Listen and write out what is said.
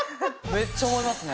めっちゃ思いますね